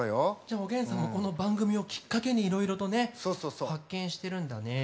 「おげんさん」のこの番組をきっかけにいろいろと発見してるんだね。